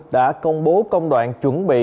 đã công bố công đoạn chuẩn bị